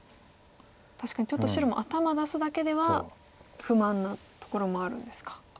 確かにちょっと白も頭出すだけでは不満なところもあるんですか。